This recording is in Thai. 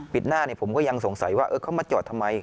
หน้าผมก็ยังสงสัยว่าเขามาจอดทำไม